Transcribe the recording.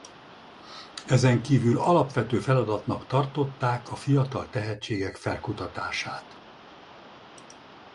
Ezenkívül alapvető feladatnak tartották a fiatal tehetségek felkutatását.